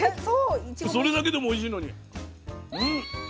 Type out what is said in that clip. それだけでもおいしいのに。